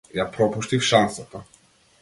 Ја пропуштив шансата.